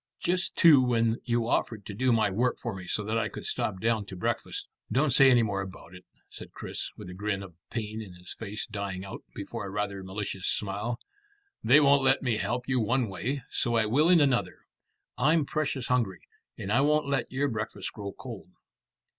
Just too when you'd offered to do my work for me so that I could stop down to breakfast." "Don't say any more about it," said Chris, with a grin of pain in his face dying out before a rather malicious smile. "They won't let me help you one way, so I will in another. I'm precious hungry, and I won't let your breakfast grow cold."